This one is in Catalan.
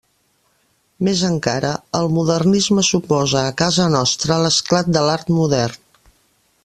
Més encara, el modernisme suposa, a casa nostra, l'esclat de l'art modern.